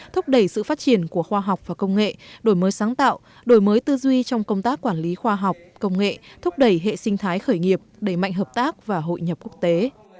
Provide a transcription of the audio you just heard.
thúc đẩy sự phát triển của khoa học và công nghệ đổi mới sáng tạo đổi mới tư duy trong công tác quản lý khoa học công nghệ thúc đẩy hệ sinh thái khởi nghiệp đẩy mạnh hợp tác và hội nhập quốc tế